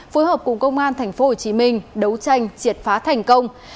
phối hợp cùng công an tp hcm đấu tranh triệt phá thành công